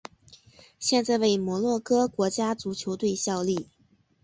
现在为摩洛哥国家足球队效力。